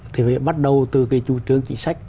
thì bắt đầu từ cái chủ trương chính sách